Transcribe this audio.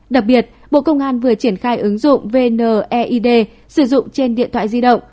đặc biệt bộ công an vừa triển khai ứng dụng vneid sử dụng trên điện thoại di động